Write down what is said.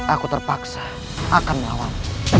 aku terpaksa akan melawan